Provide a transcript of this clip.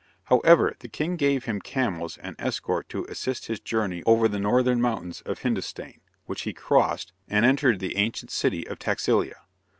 However, the King gave him camels and escort to assist his journey over the northern mountains of Hindostan, which he crossed, and entered the ancient city of Taxilia.